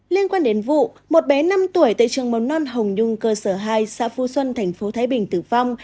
liên quan đến vụ một bé năm tuổi tại trường mầm non hồng nhung cơ sở hai xã phu xuân tp thái bình tử vong